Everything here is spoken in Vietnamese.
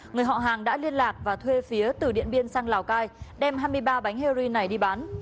người họ hàng đã liên lạc và thuê phía từ điện biên sang lào cai đem hai mươi ba bánh heroin này đi bán